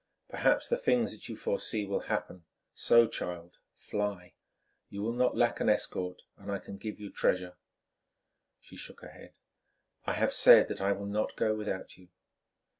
Perhaps the things that you foresee will happen, so, child, fly. You will not lack an escort and I can give you treasure." She shook her head. "I have said that I will not go without you."